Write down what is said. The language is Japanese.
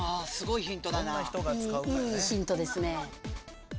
いいヒントですね。